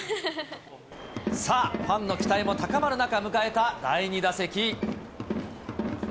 さあ、ファンの期待も高まる中、迎えた第２打席。